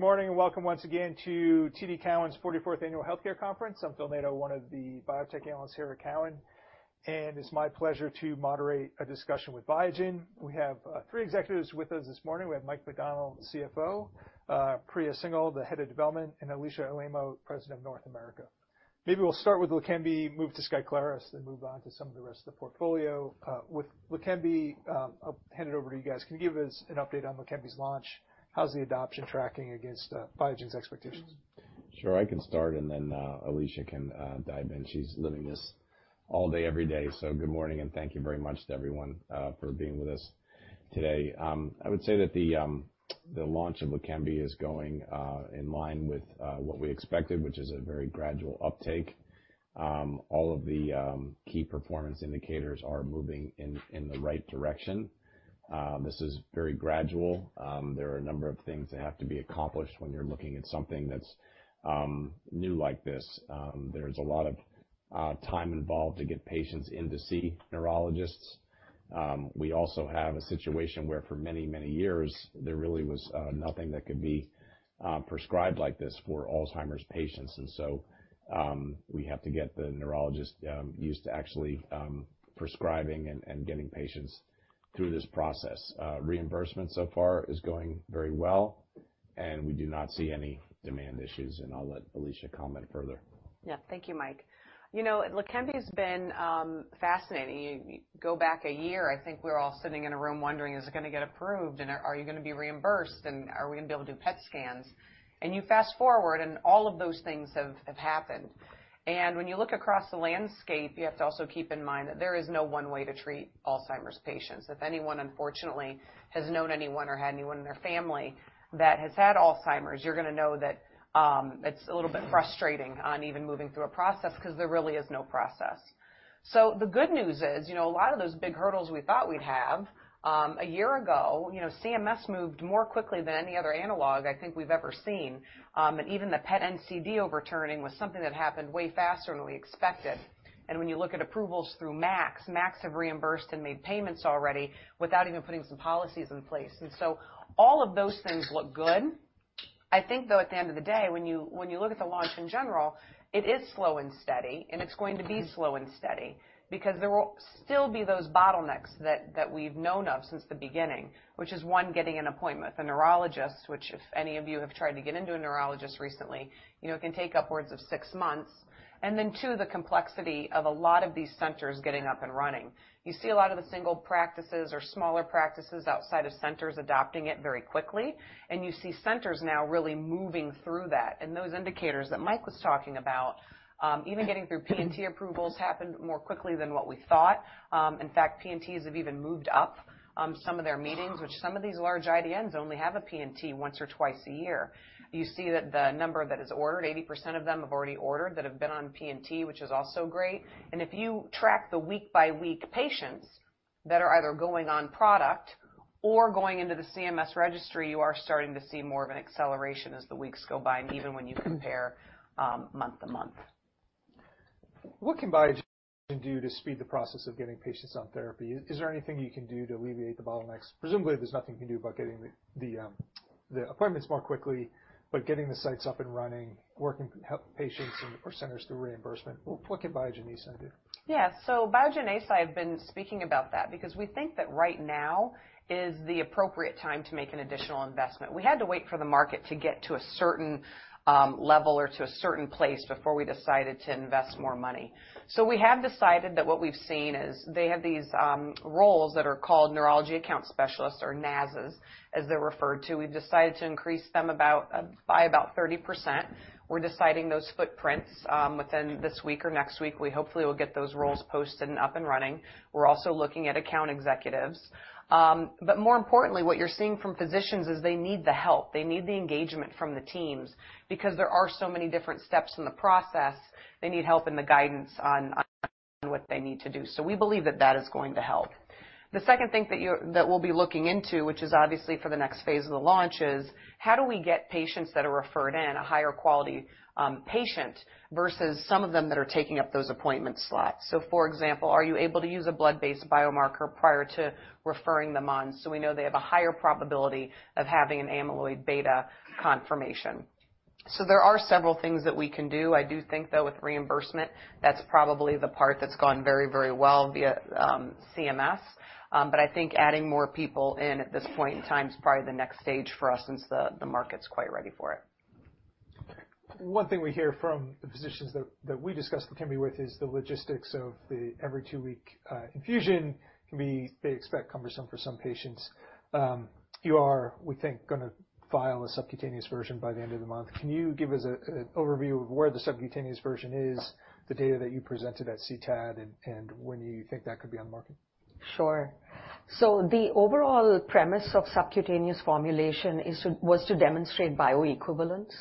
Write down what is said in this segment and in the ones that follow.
Great. Good morning and welcome once again to TD Cowen's 44th Annual Healthcare Conference. I'm Phil Nadeau, one of the biotech analysts here at Cowen, and it's my pleasure to moderate a discussion with Biogen. We have three executives with us this morning. We have Mike McDonnell, CFO; Priya Singhal, the head of development; and Alisha Alaimo, President of North America. Maybe we'll start with Leqembi, move to Skyclarys, then move on to some of the rest of the portfolio. With Leqembi, I'll hand it over to you guys. Can you give us an update on Leqembi launch? How's the adoption tracking against Biogen's expectations? Sure. I can start, and then Alisha can dive in. She's living this all day, every day. So good morning, and thank you very much to everyone for being with us today. I would say that the launch of Leqembi is going in line with what we expected, which is a very gradual uptake. All of the key performance indicators are moving in the right direction. This is very gradual. There are a number of things that have to be accomplished when you're looking at something that's new like this. There's a lot of time involved to get patients in to see neurologists. We also have a situation where, for many, many years, there really was nothing that could be prescribed like this for Alzheimer's patients. And so we have to get the neurologists used to actually prescribing and getting patients through this process. Reimbursement so far is going very well, and we do not see any demand issues. I'll let Alisha comment further. Yeah. Thank you, Mike. Leqembi has been fascinating. Go back a year, I think we were all sitting in a room wondering, "Is it going to get approved? And are you going to be reimbursed? And are we going to be able to do PET scans?" And you fast forward, and all of those things have happened. And when you look across the landscape, you have to also keep in mind that there is no one way to treat Alzheimer's patients. If anyone, unfortunately, has known anyone or had anyone in their family that has had Alzheimer's, you're going to know that it's a little bit frustrating on even moving through a process because there really is no process. So the good news is, a lot of those big hurdles we thought we'd have a year ago, CMS moved more quickly than any other analog I think we've ever seen. Even the PET NCD overturning was something that happened way faster than we expected. When you look at approvals through MACs, MACs have reimbursed and made payments already without even putting some policies in place. So all of those things look good. I think, though, at the end of the day, when you look at the launch in general, it is slow and steady, and it's going to be slow and steady because there will still be those bottlenecks that we've known of since the beginning, which is, one, getting an appointment with a neurologist, which, if any of you have tried to get into a neurologist recently, it can take upwards of six months. And then, two, the complexity of a lot of these centers getting up and running. You see a lot of the single practices or smaller practices outside of centers adopting it very quickly, and you see centers now really moving through that. And those indicators that Mike was talking about, even getting through P&T approvals, happened more quickly than what we thought. In fact, P&Ts have even moved up some of their meetings, which some of these large IDNs only have a P&T once or twice a year. You see that the number that is ordered, 80% of them have already ordered that have been on P&T, which is also great. And if you track the week-by-week patients that are either going on product or going into the CMS registry, you are starting to see more of an acceleration as the weeks go by, and even when you compare month to month. What can Biogen do to speed the process of getting patients on therapy? Is there anything you can do to alleviate the bottlenecks? Presumably, there's nothing you can do about getting the appointments more quickly, but getting the sites up and running, helping patients or centers through reimbursement. What can Biogen ACI do? Yeah. So Biogen ACI, I've been speaking about that because we think that right now is the appropriate time to make an additional investment. We had to wait for the market to get to a certain level or to a certain place before we decided to invest more money. So we have decided that what we've seen is they have these roles that are called neurology account specialists, or NASs as they're referred to. We've decided to increase them by about 30%. We're deciding those footprints within this week or next week. Hopefully, we'll get those roles posted and up and running. We're also looking at account executives. But more importantly, what you're seeing from physicians is they need the help. They need the engagement from the teams because there are so many different steps in the process. They need help in the guidance on what they need to do. So we believe that that is going to help. The second thing that we'll be looking into, which is obviously for the next phase of the launch, is how do we get patients that are referred in, a higher-quality patient, versus some of them that are taking up those appointment slots? So, for example, are you able to use a blood-based biomarker prior to referring them on so we know they have a higher probability of having an amyloid beta confirmation? So there are several things that we can do. I do think, though, with reimbursement, that's probably the part that's gone very, very well via CMS. But I think adding more people in at this point in time is probably the next stage for us since the market's quite ready for it. One thing we hear from the physicians that we discuss Leqembi with is the logistics of the every-two-week infusion can be, they expect, cumbersome for some patients. You are, we think, going to file a subcutaneous version by the end of the month. Can you give us an overview of where the subcutaneous version is, the data that you presented at CTAD, and when you think that could be on the market? Sure. So the overall premise of subcutaneous formulation was to demonstrate bioequivalence.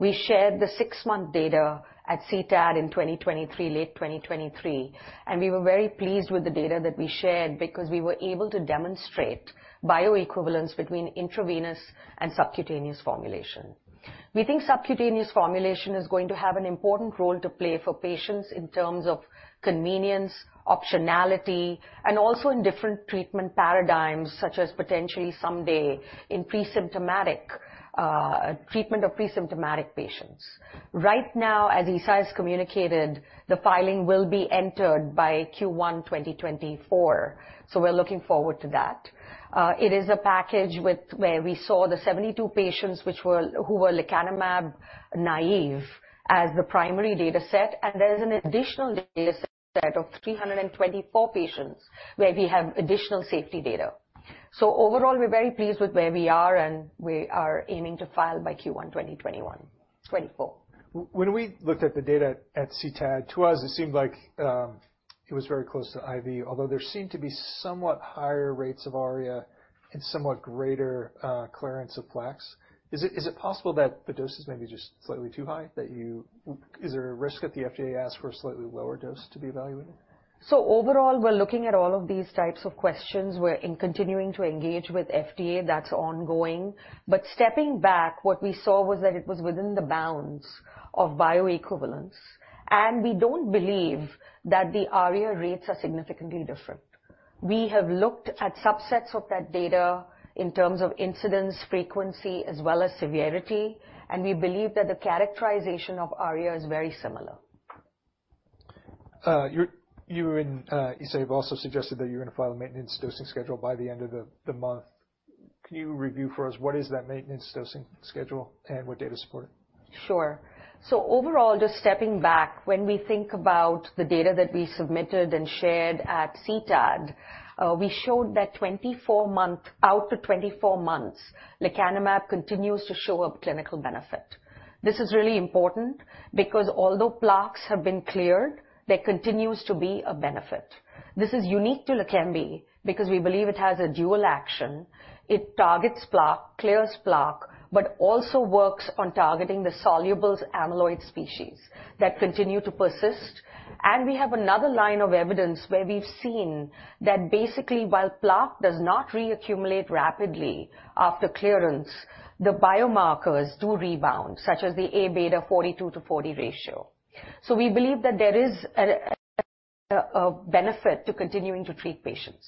We shared the 6-month data at CTAD in late 2023, and we were very pleased with the data that we shared because we were able to demonstrate bioequivalence between intravenous and subcutaneous formulation. We think subcutaneous formulation is going to have an important role to play for patients in terms of convenience, optionality, and also in different treatment paradigms such as potentially someday in treatment of presymptomatic patients. Right now, as ACI has communicated, the filing will be entered by Q1 2024, so we're looking forward to that. It is a package where we saw the 72 patients who were lecanemab naive as the primary dataset, and there's an additional dataset of 324 patients where we have additional safety data. So overall, we're very pleased with where we are, and we are aiming to file by Q1 2024. When we looked at the data at CTAD, to us, it seemed like it was very close to IV, although there seemed to be somewhat higher rates of ARIA and somewhat greater clearance of plaques. Is it possible that the dose is maybe just slightly too high? Is there a risk that the FDA asks for a slightly lower dose to be evaluated? So overall, we're looking at all of these types of questions. We're continuing to engage with FDA. That's ongoing. But stepping back, what we saw was that it was within the bounds of bioequivalence, and we don't believe that the ARIA rates are significantly different. We have looked at subsets of that data in terms of incidence, frequency, as well as severity, and we believe that the characterization of ARIA is very similar. You were in, you said you've also suggested that you're going to file a maintenance dosing schedule by the end of the month. Can you review for us what is that maintenance dosing schedule and what data support it? Sure. So overall, just stepping back, when we think about the data that we submitted and shared at CTAD, we showed that out to 24 months, lecanemab continues to show clinical benefit. This is really important because although plaques have been cleared, there continues to be a benefit. This is unique to Leqembi because we believe it has a dual action. It targets plaques, clears plaques, but also works on targeting the soluble amyloid species that continue to persist. And we have another line of evidence where we've seen that basically, while plaques does not reaccumulate rapidly after clearance, the biomarkers do rebound, such as the A-beta 42-40 ratio. So we believe that there is a benefit to continuing to treat patients.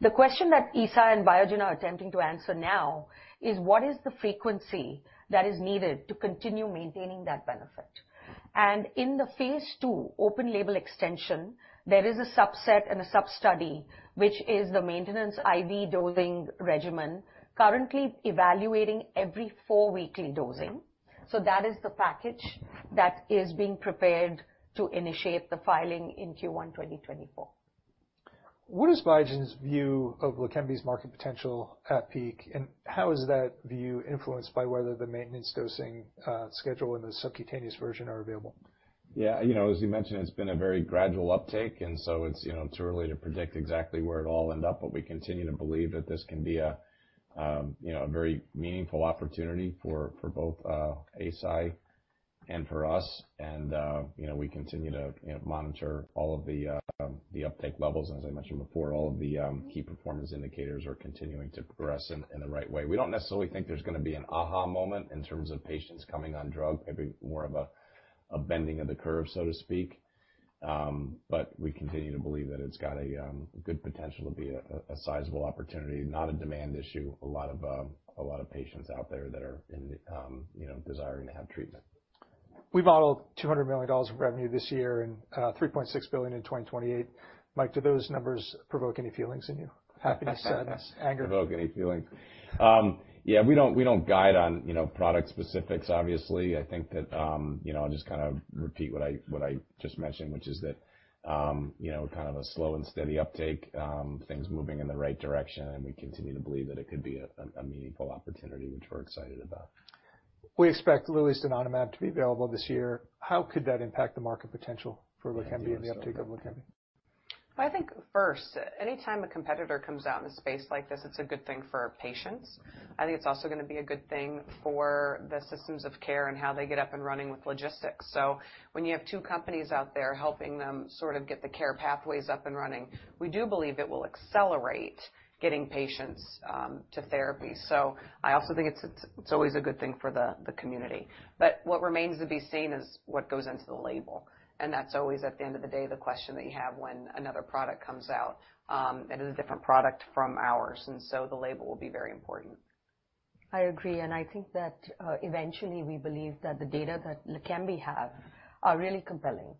The question that Eisai and Biogen are attempting to answer now is, what is the frequency that is needed to continue maintaining that benefit? In the phase II, open-label extension, there is a subset and a substudy, which is the maintenance IV dosing regimen, currently evaluating every 4-weekly dosing. That is the package that is being prepared to initiate the filing in Q1 2024. What is Biogen's view of Leqembi market potential at peak, and how is that view influenced by whether the maintenance dosing schedule and the subcutaneous version are available? Yeah. As you mentioned, it's been a very gradual uptake, and so it's too early to predict exactly where it'll all end up. But we continue to believe that this can be a very meaningful opportunity for both ACI and for us, and we continue to monitor all of the uptake levels. And as I mentioned before, all of the key performance indicators are continuing to progress in the right way. We don't necessarily think there's going to be an aha moment in terms of patients coming on drug, maybe more of a bending of the curve, so to speak. But we continue to believe that it's got a good potential to be a sizable opportunity, not a demand issue, a lot of patients out there that are desiring to have treatment. We modeled $200 million of revenue this year and $3.6 billion in 2028. Mike, do those numbers provoke any feelings in you? happiness, sadness, anger? They provoke any feelings. Yeah. We don't guide on product specifics, obviously. I think that I'll just kind of repeat what I just mentioned, which is that kind of a slow and steady uptake, things moving in the right direction, and we continue to believe that it could be a meaningful opportunity, which we're excited about. We expect Lilly's donanemab to be available this year. How could that impact the market potential for Leqembi and the uptake of Leqembi? I think first, anytime a competitor comes out in a space like this, it's a good thing for patients. I think it's also going to be a good thing for the systems of care and how they get up and running with logistics. So when you have two companies out there helping them sort of get the care pathways up and running, we do believe it will accelerate getting patients to therapy. So I also think it's always a good thing for the community. But what remains to be seen is what goes into the label. And that's always, at the end of the day, the question that you have when another product comes out. It is a different product from ours, and so the label will be very important. I agree. I think that eventually, we believe that the data that Leqembi have are really compelling.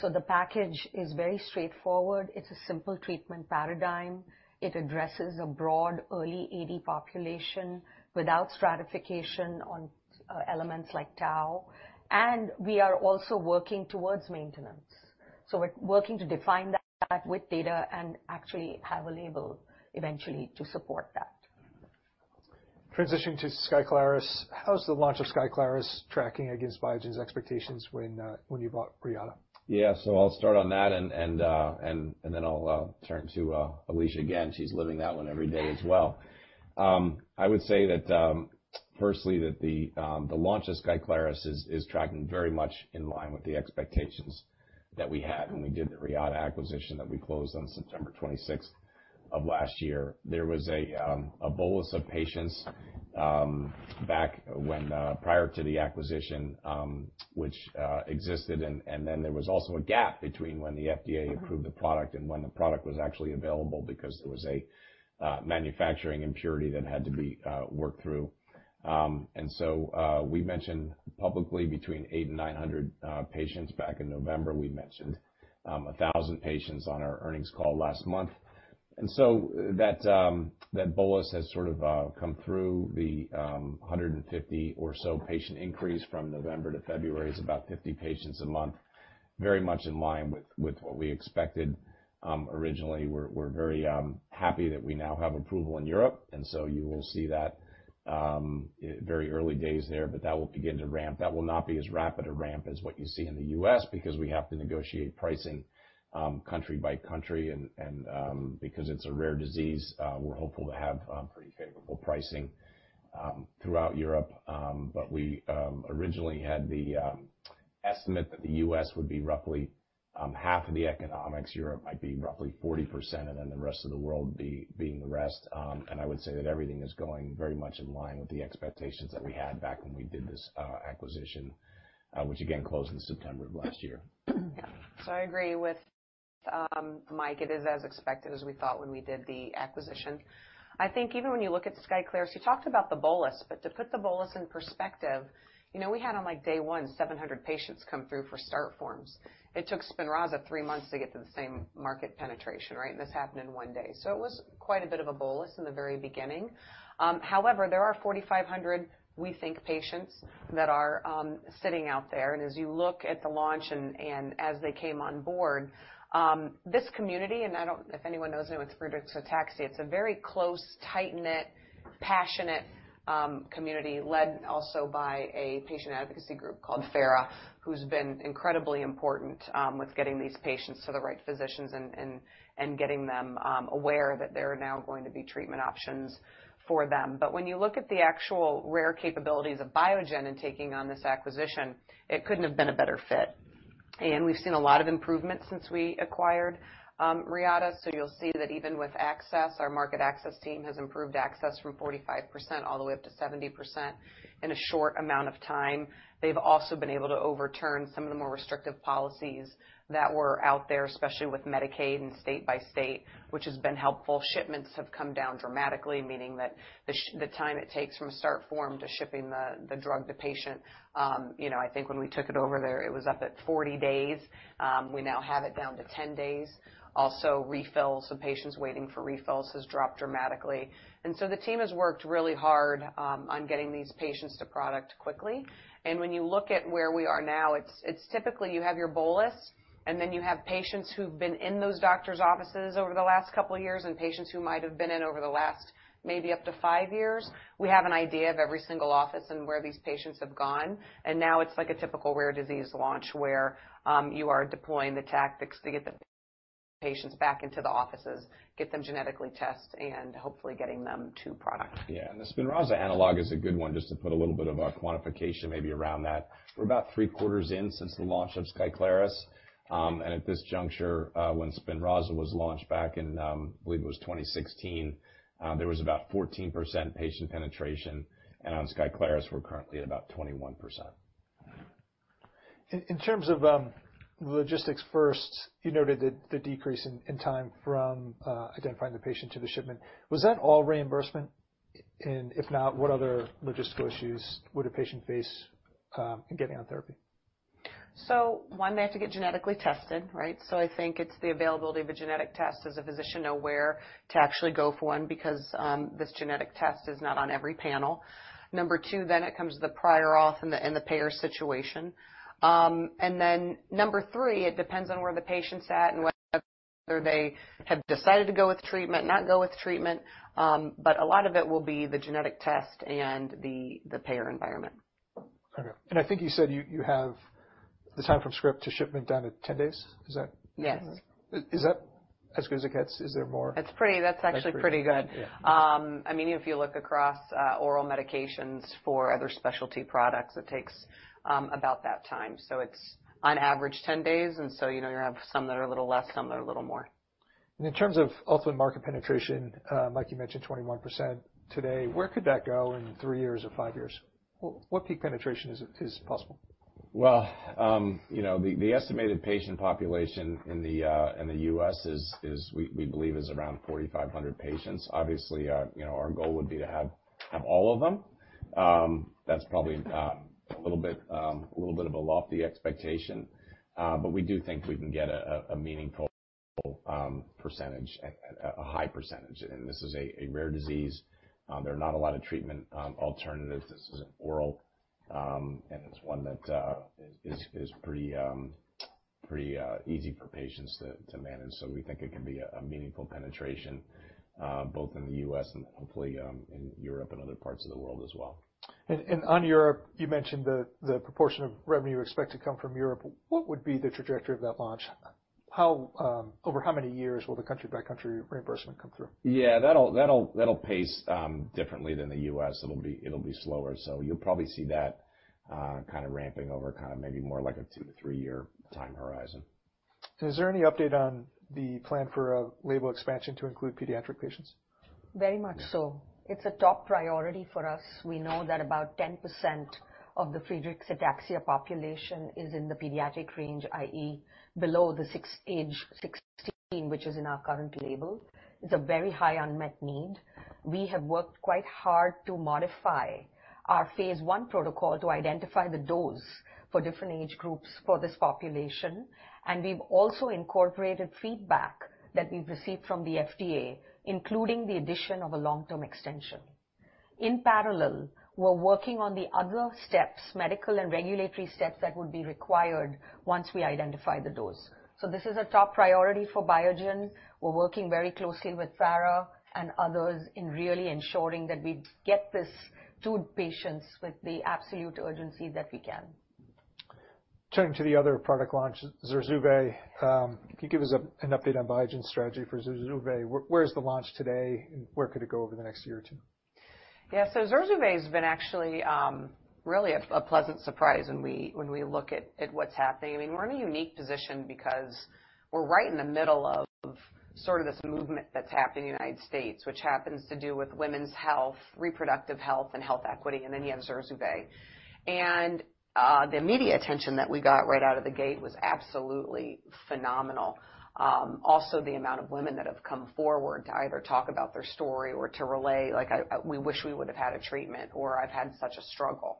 The package is very straightforward. It's a simple treatment paradigm. It addresses a broad early AD population without stratification on elements like tau. We are also working towards maintenance, so working to define that with data and actually have a label eventually to support that. Transitioning to Skyclarys, how's the launch of Skyclarys tracking against Biogen's expectations when you bought Reata? Yeah. So I'll start on that, and then I'll turn to Alisha again. She's living that one every day as well. I would say that, firstly, that the launch of Skyclarys is tracking very much in line with the expectations that we had when we did the Reata acquisition that we closed on September 26th of last year. There was a bolus of patients prior to the acquisition, which existed, and then there was also a gap between when the FDA approved the product and when the product was actually available because there was a manufacturing impurity that had to be worked through. And so we mentioned publicly between 8 and 900 patients back in November. We mentioned 1,000 patients on our earnings call last month. And so that bolus has sort of come through. The 150 or so patient increase from November to February is about 50 patients a month, very much in line with what we expected originally. We're very happy that we now have approval in Europe, and so you will see that very early days there, but that will begin to ramp. That will not be as rapid a ramp as what you see in the U.S. because we have to negotiate pricing country by country. And because it's a rare disease, we're hopeful to have pretty favorable pricing throughout Europe. But we originally had the estimate that the U.S. would be roughly half of the economics, Europe might be roughly 40%, and then the rest of the world being the rest. I would say that everything is going very much in line with the expectations that we had back when we did this acquisition, which again closed in September of last year. Yeah. So I agree with Mike. It is as expected as we thought when we did the acquisition. I think even when you look at Skyclarys you talked about the bolus, but to put the bolus in perspective, we had on day one 700 patients come through for start forms. It took Spinraza three months to get to the same market penetration, right? And this happened in one day. So it was quite a bit of a bolus in the very beginning. However, there are 4,500, we think, patients that are sitting out there. And as you look at the launch and as they came on board, this community and I don't know if anyone knows anyone with Friedreich's ataxia? It's a very close, tight-knit, passionate community led also by a patient advocacy group called FARA, who's been incredibly important with getting these patients to the right physicians and getting them aware that there are now going to be treatment options for them. But when you look at the actual rare capabilities of Biogen in taking on this acquisition, it couldn't have been a better fit. And we've seen a lot of improvement since we acquired Reata. So you'll see that even with access, our market access team has improved access from 45% all the way up to 70% in a short amount of time. They've also been able to overturn some of the more restrictive policies that were out there, especially with Medicaid and state by state, which has been helpful. Shipments have come down dramatically, meaning that the time it takes from a start form to shipping the drug to patient. I think when we took it over there, it was up at 40 days. We now have it down to 10 days. Also, refills, some patients waiting for refills has dropped dramatically. And so the team has worked really hard on getting these patients to product quickly. And when you look at where we are now, it's typically you have your bolus, and then you have patients who've been in those doctors' offices over the last couple of years and patients who might have been in over the last maybe up to 5 years. We have an idea of every single office and where these patients have gone. Now it's like a typical rare disease launch where you are deploying the tactics to get the patients back into the offices, get them genetically tested, and hopefully getting them to product. Yeah. And the Spinraza analog is a good one, just to put a little bit of a quantification maybe around that. We're about three-quarters in since the launch of Skyclarys. And at this juncture, when Spinraza was launched back in, I believe it was 2016, there was about 14% patient penetration. And on Skyclarys, we're currently at about 21%. In terms of logistics first, you noted the decrease in time from identifying the patient to the shipment. Was that all reimbursement? And if not, what other logistical issues would a patient face in getting on therapy? So, one, they have to get genetically tested, right? So I think it's the availability of a genetic test as a physician know where to actually go for one because this genetic test is not on every panel. Number two, then it comes to the prior auth and the payer situation. And then number three, it depends on where the patient's at and whether they have decided to go with treatment, not go with treatment. But a lot of it will be the genetic test and the payer environment. Okay. I think you said you have the time from script to shipment down to 10 days. Is that? Yes. Is that as good as it gets? Is there more? That's actually pretty good. I mean, even if you look across oral medications for other specialty products, it takes about that time. So it's on average 10 days, and so you have some that are a little less, some that are a little more. In terms of ultimate market penetration, Mike, you mentioned 21% today. Where could that go in three years or five years? What peak penetration is possible? Well, the estimated patient population in the U.S., we believe, is around 4,500 patients. Obviously, our goal would be to have all of them. That's probably a little bit of a lofty expectation, but we do think we can get a meaningful percentage, a high percentage. And this is a rare disease. There are not a lot of treatment alternatives. This is an oral, and it's one that is pretty easy for patients to manage. So we think it can be a meaningful penetration both in the U.S. and hopefully in Europe and other parts of the world as well. On Europe, you mentioned the proportion of revenue expected to come from Europe. What would be the trajectory of that launch? Over how many years will the country-by-country reimbursement come through? Yeah. That'll pace differently than the US. It'll be slower. So you'll probably see that kind of ramping over kind of maybe more like a 2-3-year time horizon. Is there any update on the plan for a label expansion to include pediatric patients? Very much so. It's a top priority for us. We know that about 10% of the Friedreich's ataxia population is in the pediatric range, i.e., below the age 16, which is in our current label. It's a very high unmet need. We have worked quite hard to modify our phase I protocol to identify the dose for different age groups for this population. And we've also incorporated feedback that we've received from the FDA, including the addition of a long-term extension. In parallel, we're working on the other steps, medical and regulatory steps that would be required once we identify the dose. So this is a top priority for Biogen. We're working very closely with FARA and others in really ensuring that we get this to patients with the absolute urgency that we can. Turning to the other product launch, Zurzuvae. Can you give us an update on Biogen's strategy for Zurzuvae? Where's the launch today, and where could it go over the next year or two? Yeah. So Zurzuvae has been actually really a pleasant surprise when we look at what's happening. I mean, we're in a unique position because we're right in the middle of sort of this movement that's happening in the United States, which happens to do with women's health, reproductive health, and health equity. And then you have Zurzuvae. And the immediate attention that we got right out of the gate was absolutely phenomenal. Also, the amount of women that have come forward to either talk about their story or to relay, "We wish we would have had a treatment," or, "I've had such a struggle."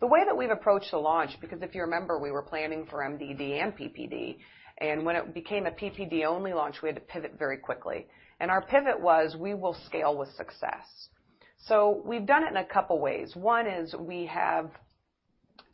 The way that we've approached the launch because if you remember, we were planning for MDD and PPD. And when it became a PPD-only launch, we had to pivot very quickly. And our pivot was, "We will scale with success." So we've done it in a couple of ways. One is we have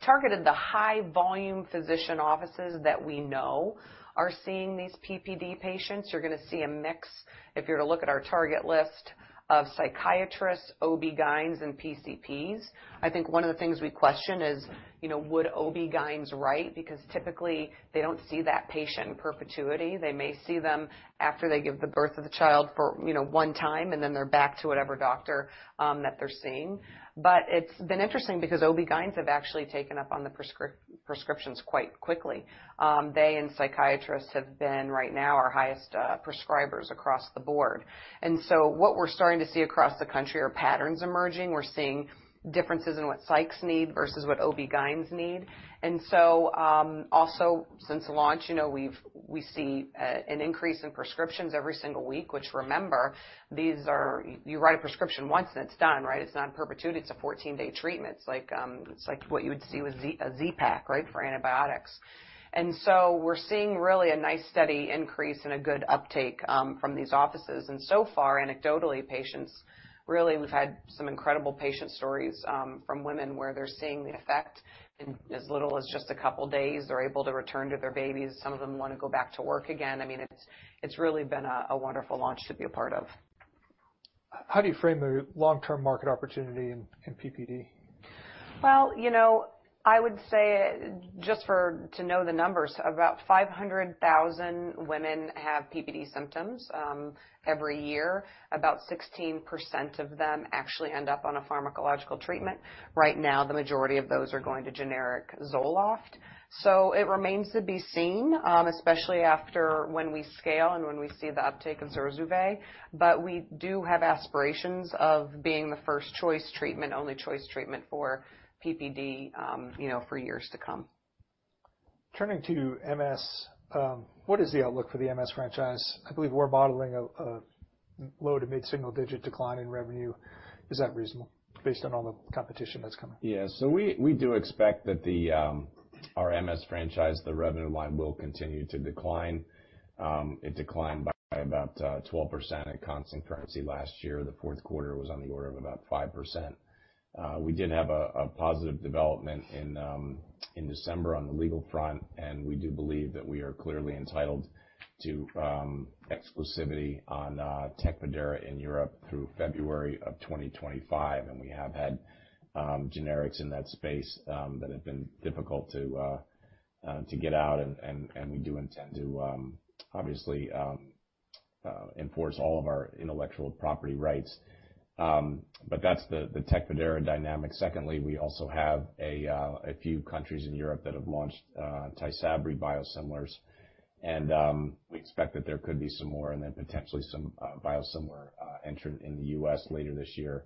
targeted the high-volume physician offices that we know are seeing these PPD patients. You're going to see a mix if you're to look at our target list of psychiatrists, OB/GYNs, and PCPs. I think one of the things we question is, "Would OB/GYNs write?" Because typically, they don't see that patient in perpetuity. They may see them after they give the birth of the child for one time, and then they're back to whatever doctor that they're seeing. But it's been interesting because OB/GYNs have actually taken up on the prescriptions quite quickly. They and psychiatrists have been, right now, our highest prescribers across the board. And so what we're starting to see across the country are patterns emerging. We're seeing differences in what psychs need versus what OB/GYNs need. And so also, since launch, we see an increase in prescriptions every single week, which remember, you write a prescription once, and it's done, right? It's not in perpetuity. It's a 14-day treatment. It's like what you would see with a Z-Pak, right, for antibiotics. And so we're seeing really a nice steady increase and a good uptake from these offices. And so far, anecdotally, patients really, we've had some incredible patient stories from women where they're seeing the effect in as little as just a couple of days. They're able to return to their babies. Some of them want to go back to work again. I mean, it's really been a wonderful launch to be a part of. How do you frame the long-term market opportunity in PPD? Well, I would say just to know the numbers, about 500,000 women have PPD symptoms every year. About 16% of them actually end up on a pharmacological treatment. Right now, the majority of those are going to generic Zoloft. So it remains to be seen, especially when we scale and when we see the uptake of Zurzuvae. But we do have aspirations of being the first choice treatment, only choice treatment for PPD for years to come. Turning to MS, what is the outlook for the MS franchise? I believe we're modeling a low to mid-single-digit decline in revenue. Is that reasonable based on all the competition that's coming? Yeah. So we do expect that our MS franchise, the revenue line, will continue to decline. It declined by about 12% at constant currency last year. The fourth quarter was on the order of about 5%. We did have a positive development in December on the legal front, and we do believe that we are clearly entitled to exclusivity on Tecfidera in Europe through February of 2025. And we have had generics in that space that have been difficult to get out, and we do intend to obviously enforce all of our intellectual property rights. But that's the Tecfidera dynamic. Secondly, we also have a few countries in Europe that have launched Tysabri biosimilars. And we expect that there could be some more and then potentially some biosimilar entrant in the U.S. later this year.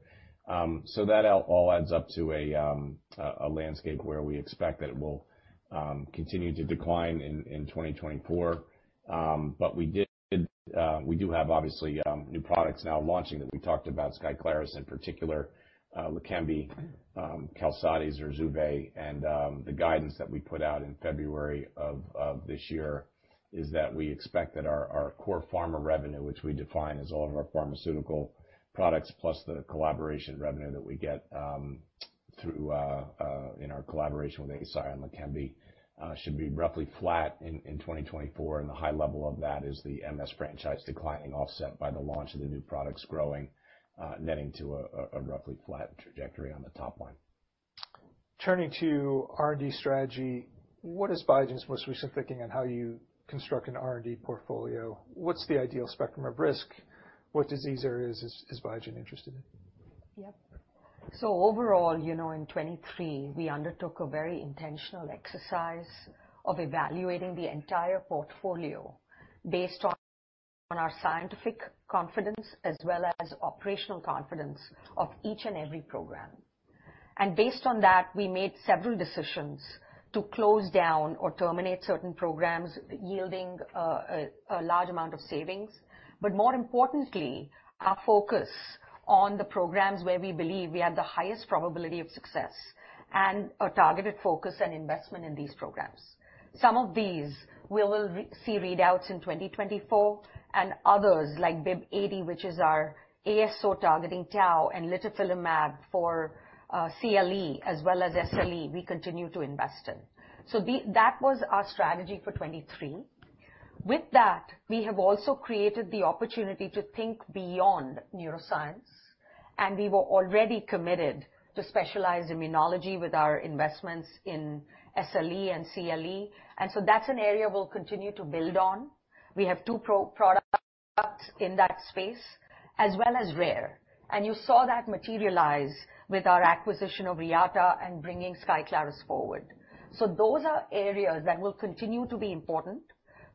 So that all adds up to a landscape where we expect that it will continue to decline in 2024. But we do have, obviously, new products now launching that we talked about, Skyclarys in particular, Leqembi, Qalsody, Zurzuvae. And the guidance that we put out in February of this year is that we expect that our core pharma revenue, which we define as all of our pharmaceutical products plus the collaboration revenue that we get in our collaboration with Eisai and Leqembi, should be roughly flat in 2024. And the high level of that is the MS franchise declining offset by the launch of the new products growing, netting to a roughly flat trajectory on the top line. Turning to R&D strategy, what is Biogen's most recent thinking on how you construct an R&D portfolio? What's the ideal spectrum of risk? What disease areas is Biogen interested in? Yep. So overall, in 2023, we undertook a very intentional exercise of evaluating the entire portfolio based on our scientific confidence as well as operational confidence of each and every program. Based on that, we made several decisions to close down or terminate certain programs yielding a large amount of savings. But more importantly, our focus on the programs where we believe we have the highest probability of success and a targeted focus and investment in these programs. Some of these we will see readouts in 2024, and others like BIIB080, which is our ASO-targeting tau, and Litifilimab for CLE as well as SLE, we continue to invest in. So that was our strategy for 2023. With that, we have also created the opportunity to think beyond neuroscience. And we were already committed to specialized immunology with our investments in SLE and CLE. So that's an area we'll continue to build on. We have two products in that space as well as rare. You saw that materialize with our acquisition of Reata and bringing Skyclarys forward. So those are areas that will continue to be important.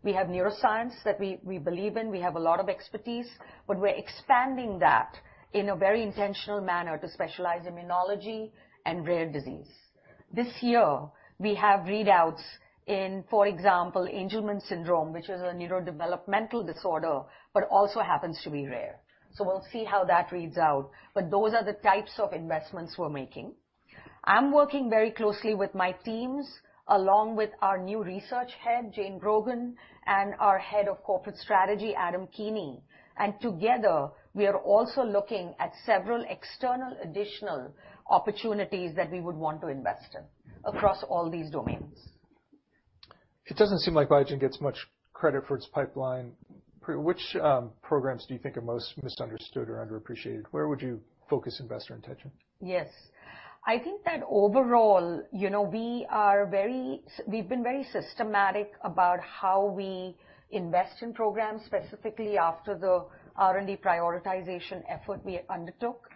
We have neuroscience that we believe in. We have a lot of expertise, but we're expanding that in a very intentional manner to specialize immunology and rare disease. This year, we have readouts in, for example, Angelman syndrome, which is a neurodevelopmental disorder but also happens to be rare. So we'll see how that reads out. But those are the types of investments we're making. I'm working very closely with my teams along with our new research head, Jane Brogan, and our head of corporate strategy, Adam Keeney. Together, we are also looking at several external additional opportunities that we would want to invest in across all these domains. It doesn't seem like Biogen gets much credit for its pipeline. Which programs do you think are most misunderstood or underappreciated? Where would you focus investor attention? Yes. I think that overall, we've been very systematic about how we invest in programs, specifically after the R&D prioritization effort we undertook.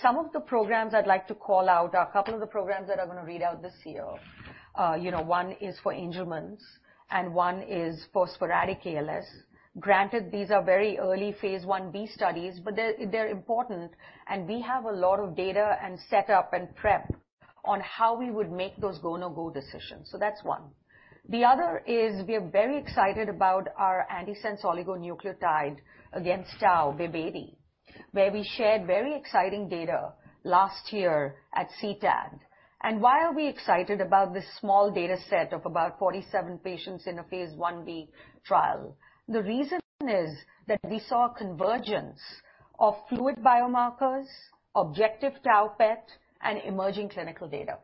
Some of the programs I'd like to call out are a couple of the programs that are going to read out this year. One is for Angelman's, and one is for sporadic ALS. Granted, these are very early phase Ib studies, but they're important. We have a lot of data and setup and prep on how we would make those go-no-go decisions. So that's one. The other is we are very excited about our antisense oligonucleotide against tau, BIIB080, where we shared very exciting data last year at CTAD. Why are we excited about this small dataset of about 47 patients in a phase Ib trial? The reason is that we saw a convergence of fluid biomarkers, objective tau PET, and emerging clinical data.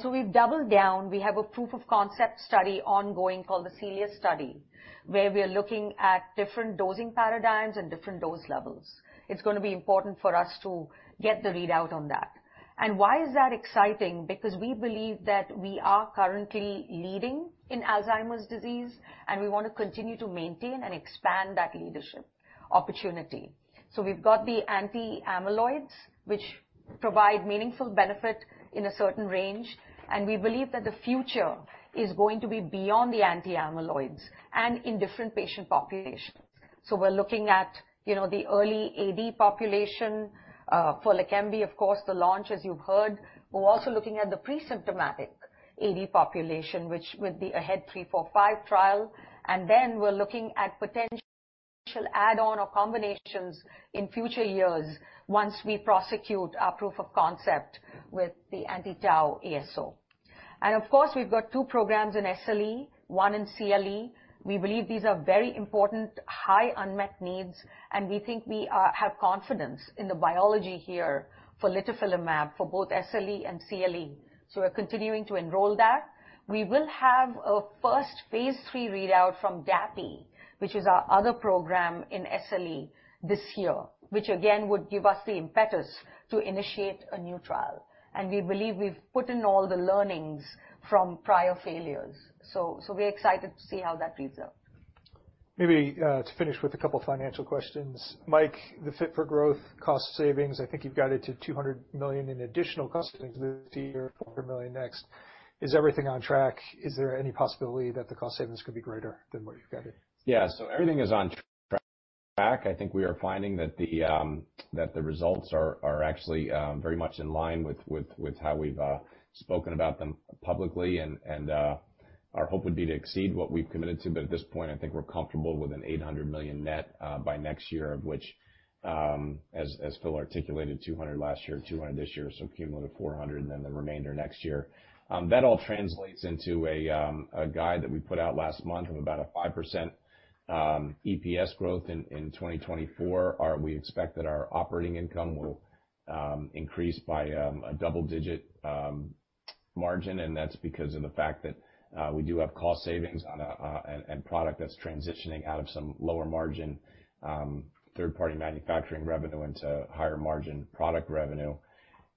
So we've doubled down. We have a proof of concept study ongoing called the CELIUS study where we are looking at different dosing paradigms and different dose levels. It's going to be important for us to get the readout on that. Why is that exciting? Because we believe that we are currently leading in Alzheimer's disease, and we want to continue to maintain and expand that leadership opportunity. So we've got the anti-amyloids, which provide meaningful benefit in a certain range. And we believe that the future is going to be beyond the anti-amyloids and in different patient populations. So we're looking at the early AD population. For Leqembi, of course, the launch, as you've heard. We're also looking at the pre-symptomatic AD population, which with the AHEAD 3-45 trial. And then we're looking at potential add-on or combinations in future years once we prosecute our proof of concept with the anti-tau ASO. And of course, we've got two programs in SLE, one in CLE. We believe these are very important, high unmet needs. And we think we have confidence in the biology here for Litifilimab for both SLE and CLE. So we're continuing to enroll that. We will have a first phase III readout from Dapi, which is our other program in SLE, this year, which again would give us the impetus to initiate a new trial. And we believe we've put in all the learnings from prior failures. So we're excited to see how that reads out. Maybe to finish with a couple of financial questions. Mike, the fit for growth, cost savings, I think you've got it to $200 million in additional cost savings this year, $400 million next. Is everything on track? Is there any possibility that the cost savings could be greater than what you've got it? Yeah. So everything is on track. I think we are finding that the results are actually very much in line with how we've spoken about them publicly. And our hope would be to exceed what we've committed to. But at this point, I think we're comfortable with $800 million net by next year, of which, as Phil articulated, $200 million last year, $200 million this year, so cumulative $400 million, and then the remainder next year. That all translates into a guide that we put out last month of about 5% EPS growth in 2024. We expect that our operating income will increase by a double-digit margin. And that's because of the fact that we do have cost savings and product that's transitioning out of some lower-margin third-party manufacturing revenue into higher-margin product revenue.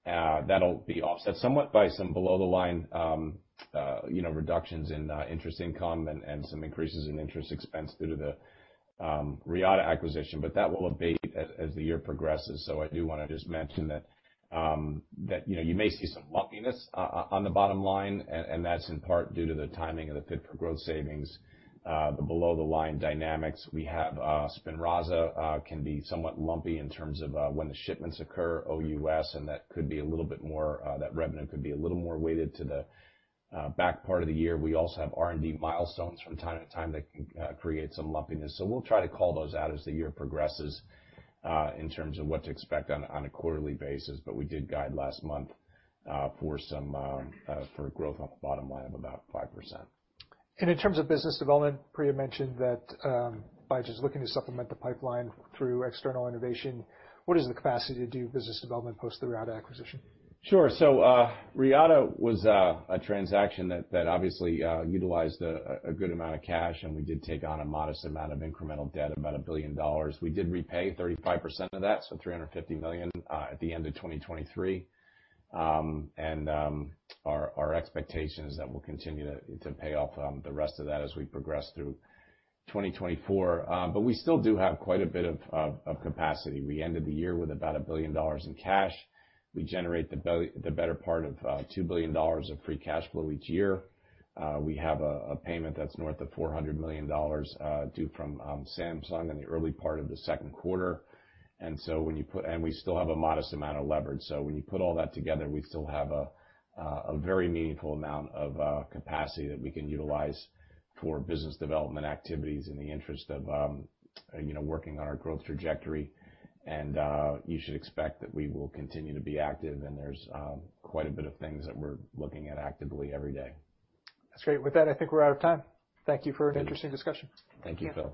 That'll be offset somewhat by some below-the-line reductions in interest income and some increases in interest expense due to the Reata acquisition. But that will abate as the year progresses. So I do want to just mention that you may see some lumpiness on the bottom line, and that's in part due to the timing of the fit for growth savings, the below-the-line dynamics. We have Spinraza, can be somewhat lumpy in terms of when the shipments occur, OUS. And that could be a little bit more that revenue could be a little more weighted to the back part of the year. We also have R&D milestones from time to time that can create some lumpiness. So we'll try to call those out as the year progresses in terms of what to expect on a quarterly basis. We did guide last month for growth on the bottom line of about 5%. In terms of business development, Priya mentioned that Biogen's looking to supplement the pipeline through external innovation. What is the capacity to do business development post the Reata acquisition? Sure. So Reata was a transaction that obviously utilized a good amount of cash, and we did take on a modest amount of incremental debt, about $1 billion. We did repay 35% of that, so $350 million, at the end of 2023. And our expectation is that we'll continue to pay off the rest of that as we progress through 2024. But we still do have quite a bit of capacity. We ended the year with about $1 billion in cash. We generate the better part of $2 billion of free cash flow each year. We have a payment that's north of $400 million due from Samsung in the early part of the second quarter. And so when you put and we still have a modest amount of leverage. When you put all that together, we still have a very meaningful amount of capacity that we can utilize for business development activities in the interest of working on our growth trajectory. You should expect that we will continue to be active. There's quite a bit of things that we're looking at actively every day. That's great. With that, I think we're out of time. Thank you for an interesting discussion. Thank you, Phil.